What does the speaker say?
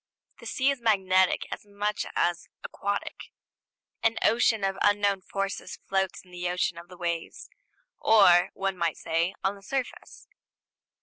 The sea is magnetic as much as aquatic: an ocean of unknown forces floats in the ocean of the waves, or, one might say, on the surface.